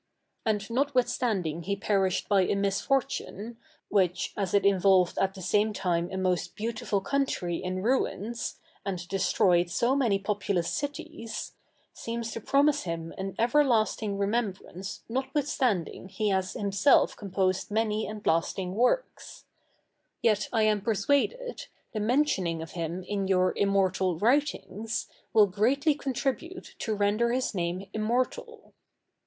And notwithstanding he perished by a misfortune, which, as it involved at the same time a most beautiful country in ruins, and destroyed so many populous cities, seems to promise him an everlasting remembrance notwithstanding he has himself composed many and lasting works; yet I am persuaded, the mentioning of him in your immortal writings, will greatly contribute to render his name immortal.